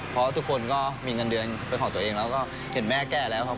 เพราะทุกคนก็มีเงินเดือนเป็นของตัวเองแล้วก็เห็นแม่แก้แล้วครับ